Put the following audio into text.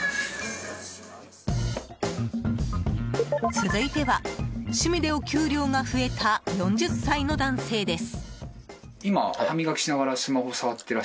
続いては趣味でお給料が増えた４０歳の男性です。